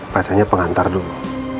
pacarnya pengantar dulu